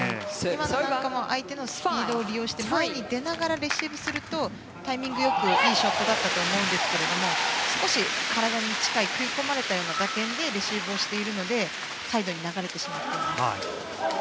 今のなんかも相手のスピードを利用して前に出ながらレシーブするとタイミング良くいいショットにいけたんですが少し、体に近い食い込まれたような打点でレシーブをしているのでサイドに流れてしまっています。